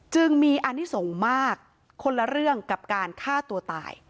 จึงมีอนิสงฆ์มากคนละเรื่องกับการฆ่าตัวตาย